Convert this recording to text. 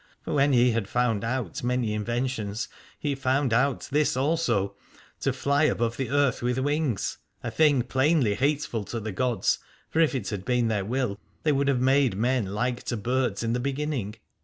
For when he had found out many inventions, he found out this also, to fly above the earth with wings : a thing plainly hateful to the gods, for if it had been their will, they would have made men like to birds in the beginning.